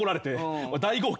大号泣。